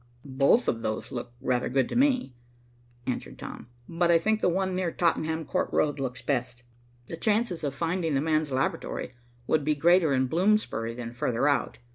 "Both of those look rather good to me," answered Tom. "But I think the one near Tottenham Court Road looks best. The chances of finding the man's laboratory would be greater in Bloomsbury than farther out."